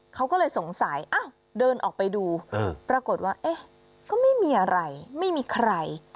เขาก็เลยสงสัยเดินออกไปดูปรากฏว่าเอ๊ะก็ไม่มีอะไรไม่มีใคร